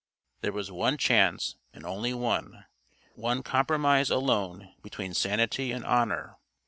There was one chance and only one one compromise alone between sanity and honor.